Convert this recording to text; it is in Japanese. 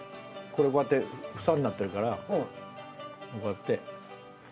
これこうやって房になってるからこうやって。